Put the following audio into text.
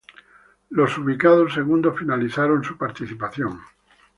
Los ubicados segundos finalizaron su participación.